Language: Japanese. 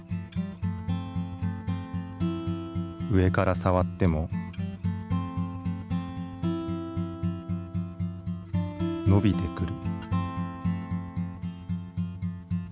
上から触っても伸びてくる。